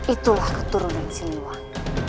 itulah keturunan si luang